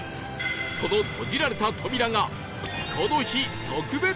その閉じられた扉が